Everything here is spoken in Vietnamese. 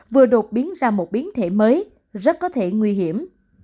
vừa đột biến ra một biến thể mới rất có thể nguy hiểm